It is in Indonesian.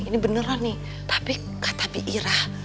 ini beneran nih